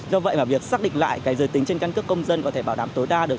do vậy mà việc xác định lại cái giới tính trên căn cước công dân có thể bảo đảm tối đa được